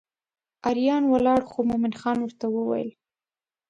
اریان ولاړ خو مومن خان ورته وویل.